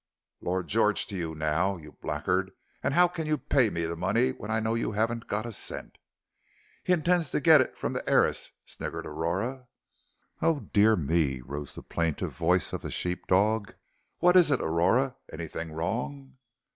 "Lord George to you now, you blackguard; and how can you pay me the money when I know you haven't got a cent?" "He intends to get it from the heiress," sniggered Aurora. "Oh, dear me!" rose the plaintive voice of the sheep dog, "what is it, Aurora? Anything wrong?"